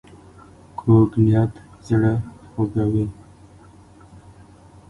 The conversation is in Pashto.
کوږ نیت زړه خوږوي